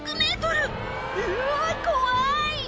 うわ怖い！